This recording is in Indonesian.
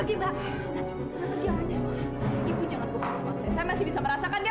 keluar dong tolong keluar